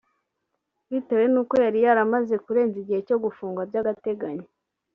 bitewe n’uko yari yaramaze kurenza igihe cyo gufungwa by’agateganyo